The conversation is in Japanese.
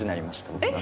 僕は。